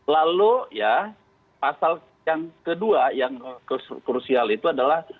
lalu ya pasal yang kedua yang krusial itu adalah